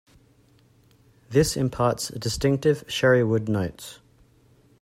This imparts distinctive sherry wood notes.